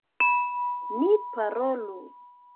Ni parolu.